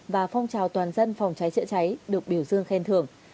và phong trào toàn dân phòng cháy chữa cháy được biểu dương khen thưởng